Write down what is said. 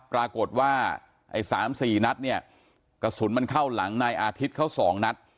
ปรากฏว่าไอ้๓๔นัดเนี่ยกระสุนมันเข้าหลังนายอาทิตย์เขา๒นัด